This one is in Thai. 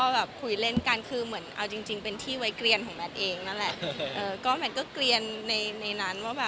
แล้วก็เป็นเพื่อนที่สนิทแบบมากแล้วก็เพื่อนน้อยมากอะไรอย่างเงี้ยค่ะ